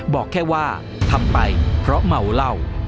บอกแค่ว่าทำไปเพราะเมาเหล้า